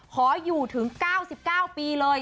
ขออยู่ถึง๙๙ปีเลย